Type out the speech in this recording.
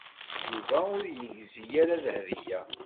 Yuba ur yegzi ara Dahbiya.